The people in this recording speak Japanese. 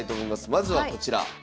まずはこちら。